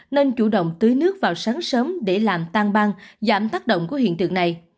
nên chủ động tưới nước vào sáng sớm để làm tan băng giảm tác động của hiện tượng này